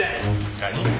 何！？